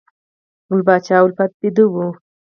ګل پاچا الفت بیده و